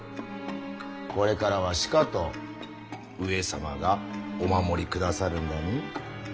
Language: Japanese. これからはしかと上様がお守りくださるんだに。